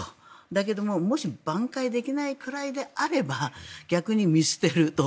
だけど、もしばん回できないくらいであれば逆に見捨てると。